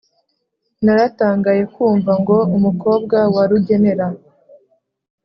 naratangaye kumva ngo umukobwa wa rugenera